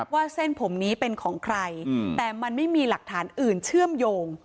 เส้นผมนี้เป็นของใครแต่มันไม่มีหลักฐานอื่นเชื่อมโยง